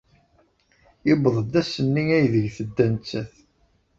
Yuweḍ-d ass-nni aydeg tedda nettat.